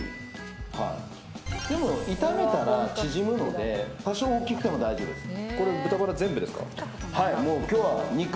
炒めたら縮むので多少大きくても大丈夫です。